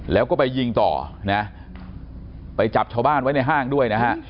แล้วก็ไปยิงต่อนะไปจับชาวบ้านไว้ในห้างด้วยนะฮะ